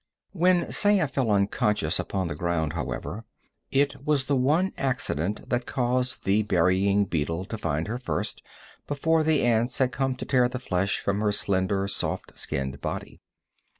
When Saya fell unconscious upon the ground, however, it was the one accident that caused the burying beetle to find her first, before the ants had come to tear the flesh from her slender, soft skinned body.